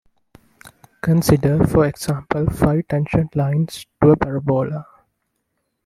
Consider, for example, five tangent lines to a parabola.